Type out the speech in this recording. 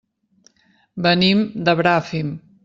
Venim de Bràfim.